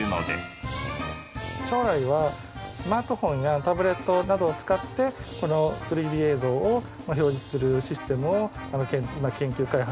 将来はスマートフォンやタブレットなどを使ってこの３Ｄ映像を表示するシステムを今研究開発進めております。